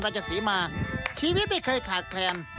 ราชศรีมาชีวิตไม่เคยขาดแคลน